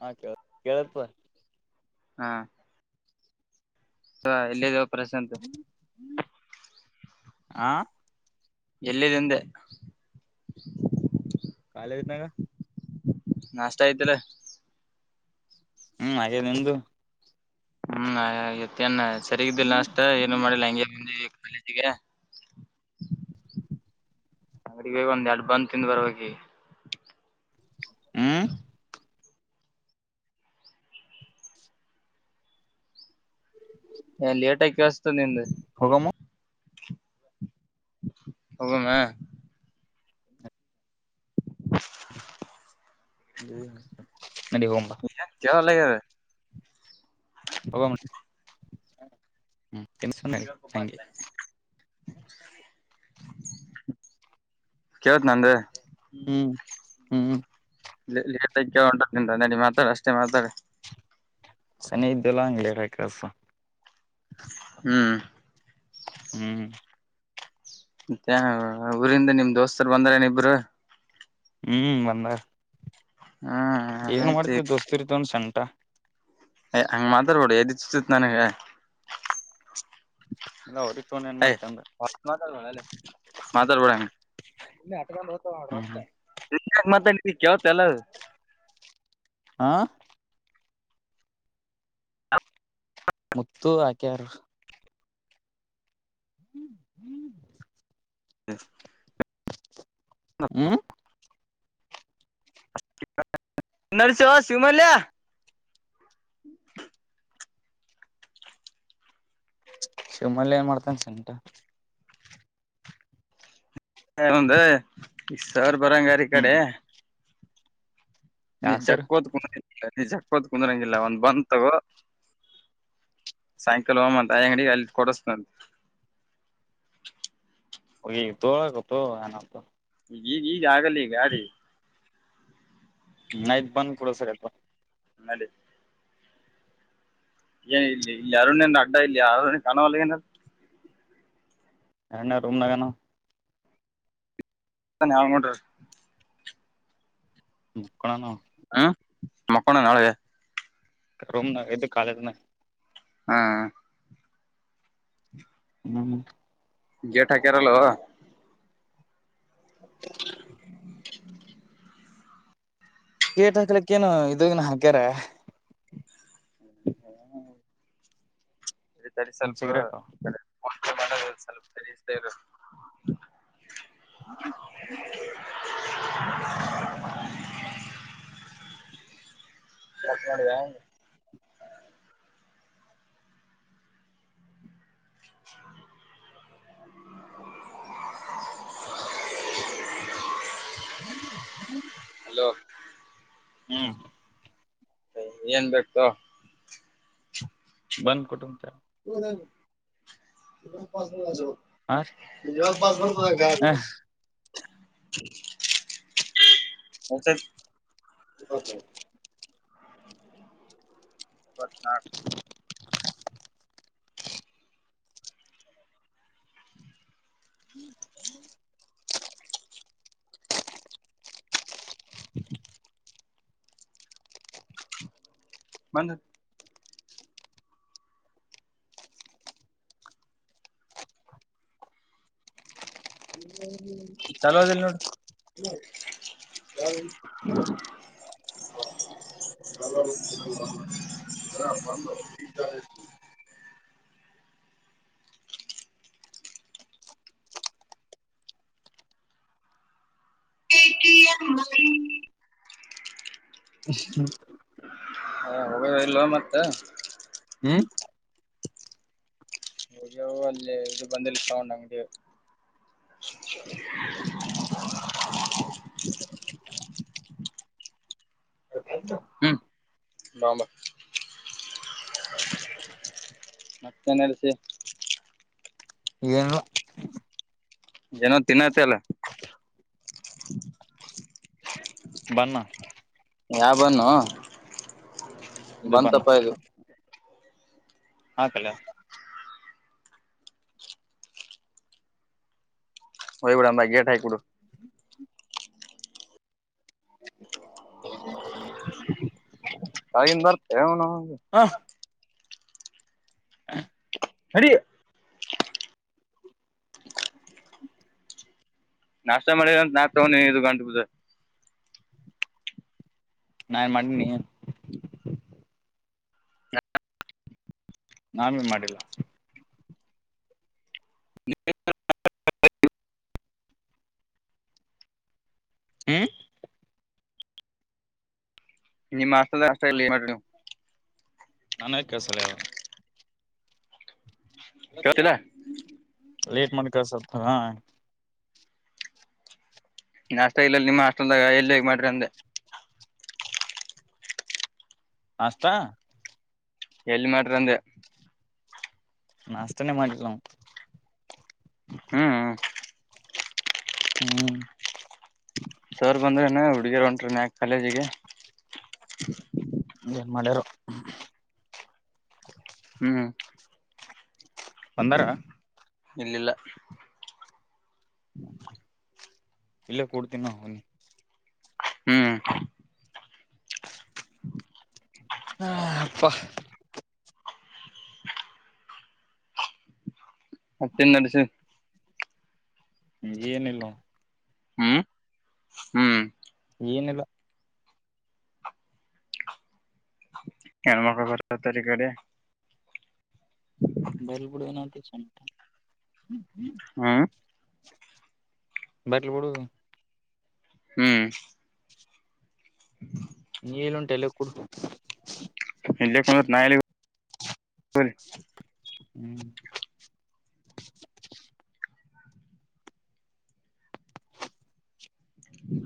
ಹಾ ಕೆಳ ಕೆಳತದ ಹ ಎಲ್ಲಿದಪ ಆ ಎಲ್ಲಿದೆಂದೆ ಕಾಲೆಜಿನಾಗ ನಾಷ್ಟ ಆಯತೀಲ ಹ್ಮ್ ಹಾಗೆ ನಿ್ದು ಹ್ಮ್ ಇತ್ತನ್ ಸರಿಗಿದ್ದಿಲ್ಲ ಹ್ಮ್ ಅಷ್ಟ ಏನು ಮಾಡಿಲ್ಲ ಹಂಗೆಂದಿ ಿಗೆ [unintelligible] ಅಂಗಡಿಹೋಗಿ ಒಂದೆರಡು ಬಂಕ್ ಬರಬೇಕು ಈಗ ಹ್ಮ್ ಲೇಟ್ ಆಗಿ ಕೇಳಿಸ್ತ ನಿಮ್ದು ಹೋಗಾಮ ಹೋಗಮ್ಮ ನಡಿ ಹೋಗಂಬಾ ಲ್ಲೇ ರದಿರಿ ಹೋಗೋಣ ತಿನ್ಸಕೊಂಡಿ [unintelligible] ಕೆವತ್ತು ನಂದೆ ಹ್ಮ್ ಹ್ಮ್ ಲೇಟ್ ಆಯತ ಉ ಟದಿಂದ ನಡಿ ಮಾತಾಡ ಅಷ್ಟೇ ಮಾತಾಡ ಸನೀ ಇದ್ದಲ ಅಂಗ್ [unintelligible] ರಕಸ ಹ್ಮ್ ಹ್ಮ್ ಮತ್ತ ಊರಿಂದ ನಿಮ್ ದೋಸ್ತರು ಬಂದಾರೆನ್ ಇಬ್ರು ಹ್ಮ್ ಬಂದಾರ ಹ್ಮ್ ಏನ್ ಆಯ್ತ ಮಾಡ್ತಿ ದೋಸ್ತಿರ್ತಕೊಂಡ್ ಸಂಟ ಅಂಗ ಮಾತಾಡ್ಬೇಡ ಎದೆ ಚಚುತ್ ನಾನಾ ಗ ಇಲ್ಲ ಅವ್ರಿಗೆ ತಗೊಂಡ್ ಏನ್ ಹೆ ಮಾಡ್ತ ಅಂದ ಓಟ್ ಮಾತಡ್ ಬೇಡಲೇ ಮಾತಾಡ್ಬ ಹಂಗೆ ಅಂದುಕೊಂಡು ನೋಡ್ರೋ ಹ್ಮ್ ಹ್ಮ್ ಅಕ್ಕ ಮಾತ್ ಕೇಳ್ತೀಯ ಆ ಮುತ್ತು ಅಕ್ಯರ ಹ್ಮ್ ಹ್ಮ್ ಹ [unintelligible] ಹ್ಮ ನರ್ಸಿ [unintelligible] ಶಿವಮಲ್ಯ ಶಿವಾಮಲ್ಯ ಏನ್ ಮಾಡ್ತನ್ ಸಂಟ ಓನ್ಲಿ ಸರ್ ಬರಂಗ್ ಈ ಹ್ಮ್ ಕಡೆ ಯಾ ನೀನು ಸರ್ ಜಕ್ಕಂತ ಕುಂದ್ರಾಗಿಲ್ಲ ಒಂದು ಬನ್ನು ತೊಗೋ ಸಾಯಂಕಾಲ ಹೋಗೋಮ್ ಆ ಅಂಗಡಿ ಅಲ್ಲಿ ಕೊಡಸ್ತನಾತ್ ಹೋ ಎನಂಪ ಈಗ ಈಗ ಆಗಲ್ಲ ಈಗ ಅ [unintelligible] ರಿ ನೈಟ್ ಬಂದ್ ಕೂಡಸಕ್ತ್ಬ ನಡಿ ಏನ್ ಇಲ್ಲಿ ಇಲ್ಲಿ ಯಾರು ನಿಂಗ್ ಅಡ್ಡ ಇಲ್ಲಿ ಯಾರು ನಿಂಗ್ ಕಾಣವಲ್ಲ ಏನ ಎಣ್ಣೆ ರರೂಮ ನನಗೆ ಏನು ಅವ [unintelligible] ನೋಡ ಮಕ್ಕೊಂಡಾನವಾ ಮಕ್ಕೊಂಡಾನವಾ ಏ ರೂಮ್ನಾಗ ಇದು ಕಾಲೇಜ್ನಾಗ್ ಹಾ ಹ್ಮ್ ಗೇಟ್ ಹಾಕ್ಯಾರಲ್ಲೋ [inaudible] ಗೇಟ್ ಹಾಕ್ಲಿಕ್ಕೇನು ಇದುಇನ್ನಾ ಹಾಕ್ಯಾರ [unintelligible] ಇಲ್ಲಿ ತಡಿ ಒಂದ್ ಸ್ವಲ್ಪ ಸಿಗರೇಟ್ ಸ್ವಲ್ಪ ತಡಿ ಅಷ್ಟೇ ಇರು [inaudible] [inaudible] [unintelligible] [inaudible] ಹಲೋ ಹ್ಮ್ ಏ ಏನ್ ಬೇಕೋ [unintelligible] [unintelligible] [inaudible] [unintelligible] [unintelligible] [inaudible] [unintelligible] [unintelligible] [inaudible] [inaudible] [inaudible] [unintelligible] [inaudible] [unintelligible] ಹ್ಮ್. [unintelligible] [inaudible] [inaudible] [unintelligible] ಮತ್ತೆನ ನಡಿಸಿ. ಏನಿಲ್ಲ ಏನೋ ತಿನ್ನತ್ತ ಅಲ್ಲ. ಬನ್. ಯಾವ ಬನ್ನೂ. ಇದು ಬನ್ನು. [unintelligible] ಹೋಗಿಬಿಡುಂ ಗೇಟ್ ಹಾಕಿ ಬಿಡು. [unintelligible] ಹ. ಅಡಿ ನಾಷ್ಟ ಮಾಡಿಂತ ನಾ ತಗೊಂಡಿ ಇದು ಗಂಟ ಬಿದ್ದದ. ನಾನ್ಏನ್ ಮಾಡಿನಿ. [unintelligible] ನಾ ಬೀ ಮಾಡಿಲ್ಲ. [inaudible] ಹ್ಮ್ [unintelligible] ನನಗ ಕೆಲಸಲಗ್ಯದ. ಕ್ಕೆಳ್ತಿಲ. ಲೇಟ್ ಮಾಡಕ ಸ್ವಲ್ಪ ಹಾ. [unintelligible] ನಾಸ್ಟಾ, ಎಲ್ಲಿ ಮಾಡ್ರಂದ. ನಾಷ್ಟನೇ ಮಾಡಿಲ್ಲ ನಾವು. ಹ್ಮ್. ಹ್ಮ್. ಸರ್ ಬಂದ್ರೇನ ಹುಡ್ಗಿರ ಹೊಂಟ್ರನ್ಕ ಕಾಲೇಜಿಗಿ. ಏನ್ ಮಾಡ್ಯಾರೋ, ಹ್ಮ್. ಬಂದಾರ ಇಲ್ಲಲ್ಲ. ಇಲ್ಲ ಕೊಡ್ತೀನಿ ನಾನು. ಹ್ಮ್. [inaudible] ಹಾ ಅಪ್ಪ. [inaudible] ಮತ್ತೆನ್ ನಡೆಸಿಧಿ. ಏನಿಲ್ಲ ನೋಡ್. ಹ್ಮ್ ಹ್ಮ್. ಏನಿಲ್ಲಾ, [unintelligible] ಬರ್ಲಿ ಬಿಡು ಏನಂತಿ ಸುಮ್ಕ ಹ್ಮ ಬಟ್ಲು ಬಡ ಹ್ಮ್ [inaudible] ಹ್ಮ ನೀ ನುಂಟಲ್ಲ ಕೂಡು ಇಲ್ಲೇಕ್ಕ ನಾಯಾಲ ಹ್ಮ್ ಹ್ಮ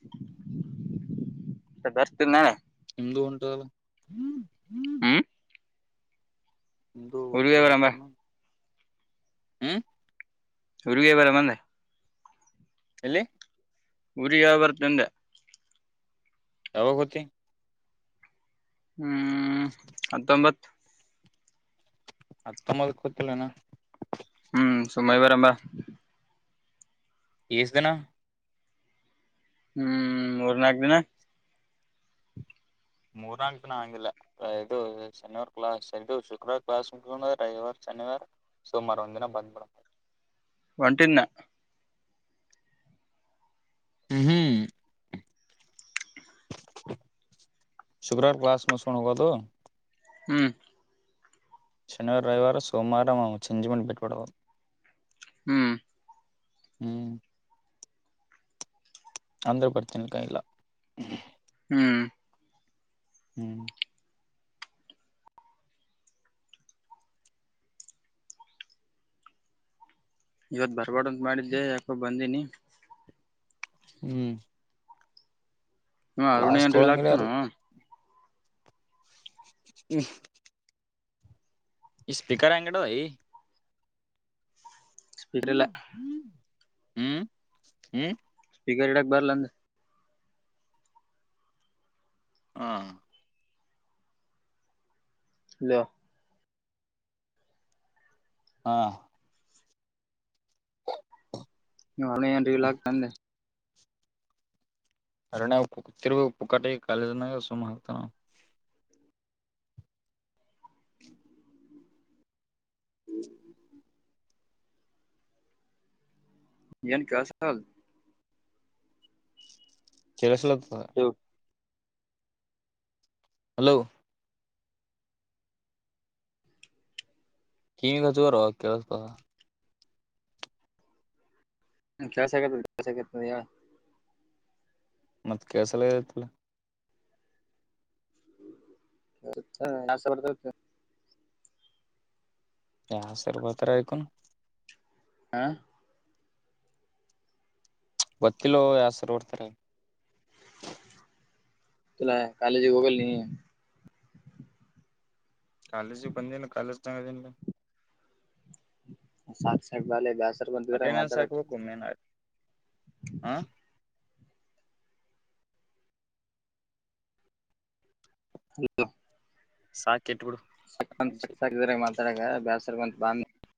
[unintelligible] ಎಂದು ಉಂಟಲ್ಲ ಹ್ಮ ಹ ಇಂದು ಅಕ ಬರಂಬ ಹೊತನ ಹ್ಮ್ ಹುರ್ಗಿ ಬರ ಮಂದೆ ಎಲ್ಲಿ ಉರಿಯ ಬರ್ತಂದೆ ಯಾವಾಗ ಹೊತಿ ಹ್ಮ್ ಹತ್ತೊಂಬತ್ತು ಹತ್ತೊಮ್ಮದ ಗೊತ್ತಿಲ್ಲನಾ ಸುಮ್ಮ ಬರಂಬ ಇಷ್ಟ್ ದಿನ ಹ್ಮ್ ಮೂರ್ನಾಲ್ಕು ದಿನ ಮೂರ್ನಾಂಕು ದನ ಹಂಗಿಲ್ಲ ಇದು ಶನಿವಾರ ಕ್ಲಾಸ್ ಇದು ಶುಕ್ರವಾರ ಕ್ಲಾಸ್ ಮುಂಕೊಂಡುರೆ ಐವಾರ ತನವಾರ ಸುಮಾರು ಒಂದಿನ ಬಂದ್ ಮಾಡಡ ಒಂಟಿನ ಹ್ಮ ಹ್ಮ್ ಶುಕ್ರವಾರ ಕ್ಲಾಸ್ ಮ ಶುಣಕದು ಹ್ಮ್ ಶನಿವಾರ ರವಿವಾರ ಸೋಮವಾರವು ಚಂಜಿಮಂಡಿ ಬಿಟ್ಟಬಡಬ ಹ್ಮ್ ಹ್ಮ್ ಅಂದ್ರ ಪ್ರಚನೆ ಕ ಇಲ್ಲ ಹ್ಮ್ ಹ್ಮ್ ಇವತ್ ಬರ್ಬಡಂತ ಮಾಡಿದ್ದೆ ಯಾಕೋ ಬಂದಿನಿ ಹ್ಮ್ ಹಾ ಕ್ಲಾಸ್ ಅರುಣನ್ರಿ ತೊಳಂಗಿಲ್ಲ ಆಗ್ತನ ಹ್ಮ ಈ ಸ್ಪೀಕರ್ ಹೆಂಗಿಡದ್ಧಾಯಿ ಸ್ವೀಟ್ ಇಲ್ಲ ಹ್ಮ್ ಹ್ಮ ಗರ್ ಇಡಕ್ ಬರ್ಲ ಅಂದ ಹಾ ಇಲ್ಲ ಹಾ ಅವಳೆ ಏನ್ರಿ ಇಲ್ಲ ಆಗ್ತಂದೆ ಅರಣ ಉಪ್ಪು ತಿರುವ ಉಪ್ಪುಕಾಟ ಕಾಲದನ ಸುಮ ಹತಾನ ಹ ಹ್ಮ ನು ಕ ಸಲ್ [unintelligible] ಕೆಲ ಸ್ಲ [unintelligible] ಹಲೋ [unintelligible] ಕಿಮಗ ಚೋರ ಕೆೇಳಸತ [unintelligible] ಕೆಸಗ ಕೆಸ [unintelligible] ಮತ್ತ್ ಕೆಲಸ ಎಲ್ಲ ಇರತ್ತಲ್ಲ [unintelligible] ಆಸ ಬರ್ತತ [unintelligible] ಯ ಹ ಸರ್ಭತ್ರ ಆಯಕಣ [unintelligible] ಹ.. [unintelligible] ಗೊತ್ತಿಲ್ಲೋ ಯಸ್ರು ಓಡ್ತಾರೆ [unintelligible] ತುಲ ಕಾಲಜಿ ಹೋಗಲ್ ನೀ [unintelligible] ಕಾಲೇಜ ಬಂದನು ಕಾಲೇಜ ಚಂಗ [unintelligible] ಸಾಕ ಸಾಕ ಬಾ [unintelligible] ದಸ್ರ್ ಬಂತ್ರ ಮಾತಡಕ್ ಹ [unintelligible] ಹ.. [unintelligible] ಸಾ.. [unintelligible] ಸಕ್ಂದತ್ ಸಕ್ ಸಕಿದ್ರ ಮಾತಾಡಾಗ ಬೇಸರ್ ಬಂತ ಬ [unintelligible]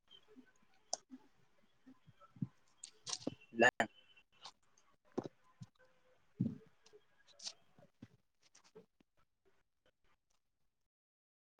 ನಾ [unintelligible]